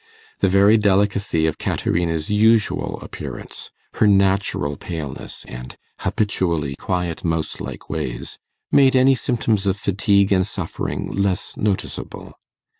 The very delicacy of Caterina's usual appearance, her natural paleness and habitually quiet mouse like ways, made any symptoms of fatigue and suffering less noticeable.